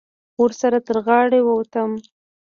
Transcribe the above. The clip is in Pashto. ورسره تر غاړې ووتم.